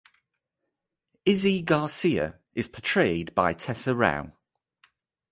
Izzy Garcia is portrayed by Tessa Rao.